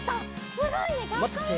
すごいねかっこいいね。